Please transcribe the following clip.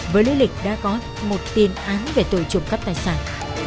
với lý lịch đã có một tiền án về tội trộm cắp tài sản